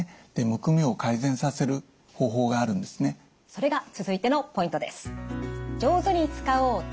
それが続いてのポイントです。